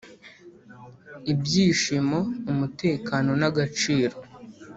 ibyishimo, umutekano, n'agaciro,